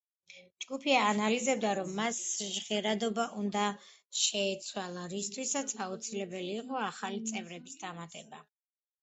ჯგუფი აანალიზებდა, რომ მას ჟღერადობა უნდა შეეცვალა, რისთვისაც აუცილებელი იყო ახალი წევრების დამატება.